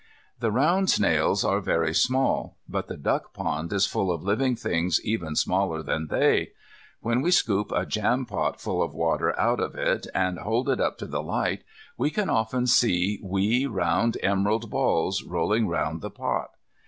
These round snails are very small, but the duck pond is full of living things even smaller than they. When we scoop a jampot full of water out of it, and hold it up to the light we can often see wee round emerald balls rolling round the pot.